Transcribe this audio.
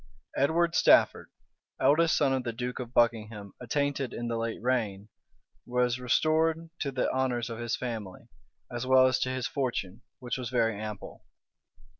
Edward Stafford, eldest son of the duke of Buckingham attainted in the late reign, was restored to the honors of his family, as well as to his fortune, which was very ample.